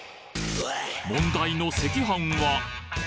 問題の赤飯は？